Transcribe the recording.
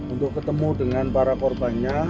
untuk ketemu dengan para korbannya